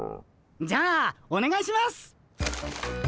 じゃあおねがいしますっ！